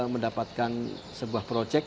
mendapatkan sebuah projek